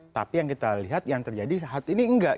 tapi yang kita lihat yang terjadi saat ini enggak